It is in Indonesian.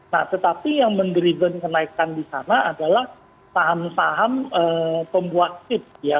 nah tetapi yang mendriven kenaikan di sana adalah saham saham pembuat kip ya